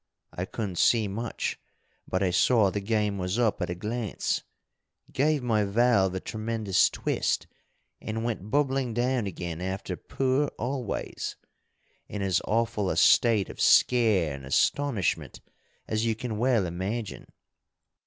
I couldn't see much, but I saw the game was up at a glance, gave my valve a tremendous twist, and went bubbling down again after poor Always, in as awful a state of scare and astonishment as you can well imagine.